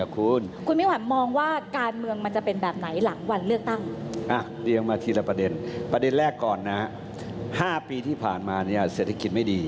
คุณมิ่งหวัญมองว่าการเมืองมันจะเป็นแบบไหนหลังวันเลือกตั้ง